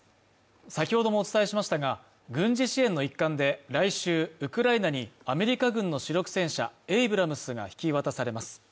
先ほどもお伝えしましたが軍事支援の一環で来週ウクライナに米軍の主力戦車エイブラムスが引き渡されます